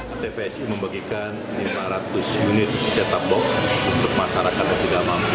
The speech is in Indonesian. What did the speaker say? atvsi membagikan lima ratus unit setup box untuk masyarakat yang tidak mampu